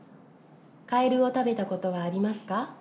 カエルを食べたことはありますか？